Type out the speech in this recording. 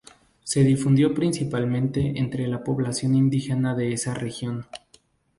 Se difundió principalmente entre la población indígena de esa región.